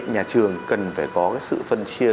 nhà trường cần phải có sự phân chia